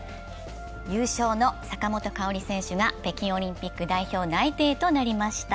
優勝の坂本花織選手が北京オリンピック内定となりました。